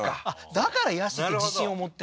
だから椰子って自信を持って？